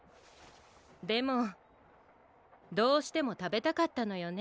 でもどうしてもたべたかったのよね。